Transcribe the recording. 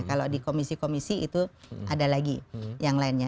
kalau di komisi komisi itu ada lagi yang lainnya